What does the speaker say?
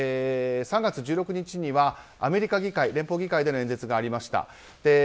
３月１６日にはアメリカの連邦議会での演説がありました。